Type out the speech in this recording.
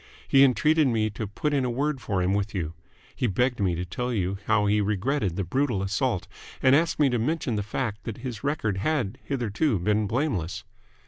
He entreated me to put in a word for him with you. He begged me to tell you how he regretted the brutal assault, and asked me to mention the fact that his record had hitherto been blameless."